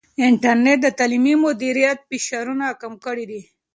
انټرنیټ د تعلیمي مدیریت فشارونه کم کړي دي.